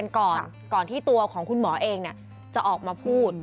พูดคุยกันก่อนก่อนที่ตัวของคุณหมอเองจะออกมาพูด